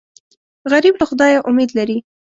غریب له خدایه امید لري